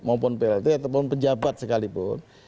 maupun plt ataupun pejabat sekalipun